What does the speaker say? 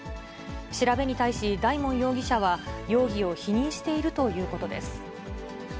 調べに対し、大門容疑者は容疑を否認しているということです。